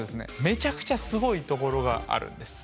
めちゃくちゃすごいところがあるんです。